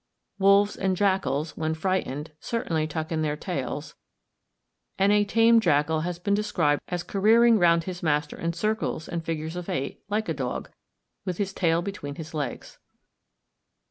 Wolves and jackals, when frightened, certainly tuck in their tails; and a tamed jackal has been described as careering round his master in circles and figures of eight, like a dog, with his tail between his legs.